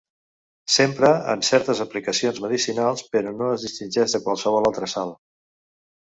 S'empra en certes aplicacions medicinals, però no es distingeix de qualsevol altra sal.